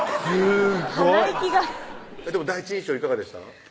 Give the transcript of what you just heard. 鼻息がでも第一印象いかがでした？